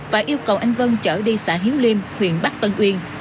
và yêu cầu anh vân chở đi xã hiếu liêm huyện bắc tân uyên